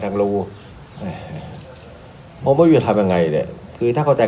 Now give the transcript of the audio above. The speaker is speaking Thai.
ฝุมที่เป็นสถานหายจากหน้ากาก